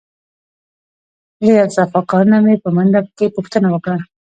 له یو صفاکار نه مې په منډه کې پوښتنه وکړه.